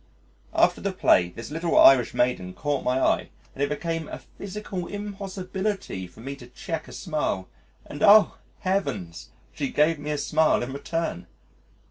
After the play this little Irish maiden caught my eye and it became a physical impossibility for me to check a smile and oh! Heavens! she gave me a smile in return.